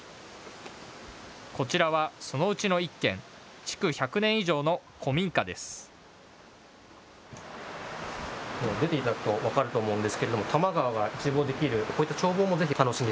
こちらはそのうちの１軒、築１００年以上の古民家です。